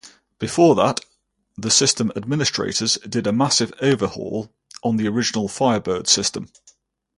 Before that, the system administrators did a massive overhaul on the original Firebird system.